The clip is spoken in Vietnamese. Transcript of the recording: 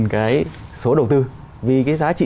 cái số đầu tư vì cái giá trị